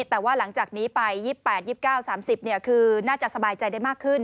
แต่ว่าหลังจากนี้ไป๒๘๒๙๓๐คือน่าจะสบายใจได้มากขึ้น